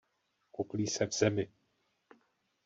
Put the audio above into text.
Kuklí se v zemi.